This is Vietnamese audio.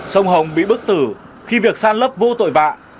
sông hồng bị bức tử khi việc san lấp vô tội vạ